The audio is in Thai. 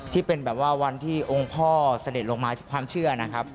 ที่เป็นแบบว่าวันที่องค์พ่อเสด็จลงมาความเชื่อนะครับ